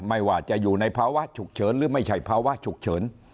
ไม่ว่าจะอยู่ในภาวะฉุกเฉินหรือไม่ใช่ภาวะฉุกเฉิน